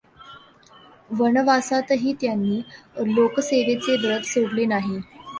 वनवासातही त्यांनी लोकसेवेचे व्रत सोडले नाही.